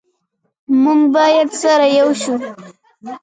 موږ باید سره ېو شو